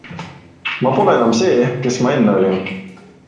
Ma pole enam see, kes ma enne olin.